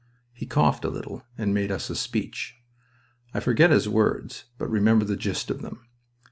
He coughed a little, and made us a speech. I forget his words, but remember the gist of them.